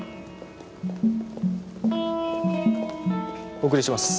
お送りします。